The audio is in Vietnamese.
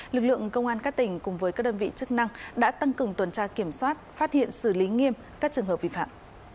lực lượng công an các tỉnh cùng với các đơn vị chức năng đã tăng cường tuần tra kiểm soát phát hiện xử lý nghiêm các trường hợp vi phạm